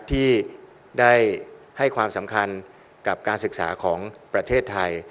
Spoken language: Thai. ที่ได้ให้ความสำคัญกับการศึกษาของประเทศไทย